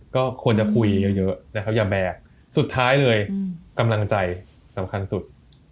ก็ควรจะคุยเยอะนะครับอย่าแบกสุดท้ายเลยกำลังใจสำคัญสุด